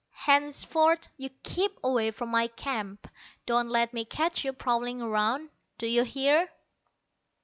Henceforth you keep away from my camp. Don't let me catch you prowling around, d'you hear?